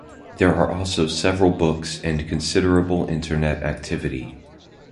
There are also several books, and considerable Internet activity.